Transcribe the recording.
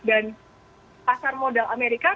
dan pasar modal amerika